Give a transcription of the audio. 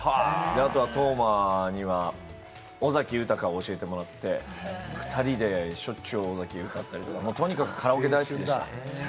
あとは斗真には尾崎豊を教えてもらって、２人でしょっちゅう、尾崎歌って、とにかくカラオケが大好きでした。